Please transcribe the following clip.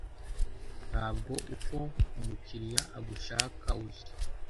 Ntabwo uko umukiliya agushaka uza